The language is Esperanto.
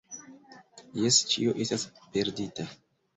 Jes, ĉio estas perdita.